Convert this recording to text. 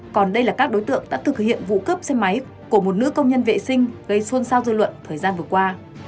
còn đây là các đối tượng đã thực hiện vụ cướp xe máy của một nữ công nhân vệ sinh gây xôn xao dư luận thời gian vừa qua